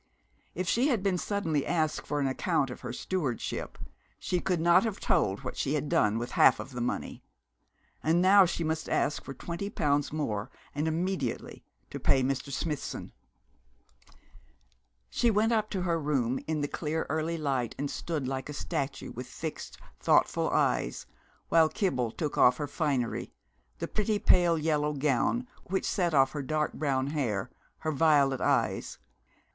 If she had been suddenly asked for an account of her stewardship she could not have told what she had done with half of the money. And now she must ask for twenty pounds more, and immediately, to pay Mr. Smithson. She went up to her room in the clear early light, and stood like a statue, with fixed thoughtful eyes, while Kibble took off her finery, the pretty pale yellow gown which set off her dark brown hair, her violet eyes.